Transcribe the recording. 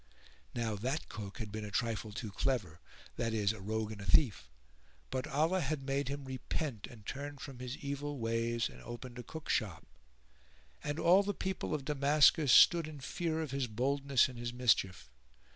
Now that Cook had been a trifle too clever, that is, a rogue and thief; but Allah had made him repent and turn from his evil ways and open a cook shop; and all the people of Damascus stood in fear of his boldness and his mischief.